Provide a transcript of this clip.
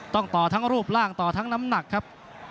ต่อทั้งรูปร่างต่อทั้งน้ำหนักครับ